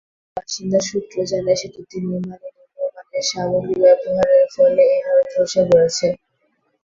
স্থানীয় বাসিন্দা সূত্র জানায়, সেতুটি নির্মাণে নিম্নমানের সামগ্রী ব্যবহারের ফলে এভাবে ধসে পড়েছে।